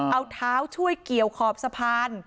เอาเท้าช่วยเกี่ยวขอบสะพาน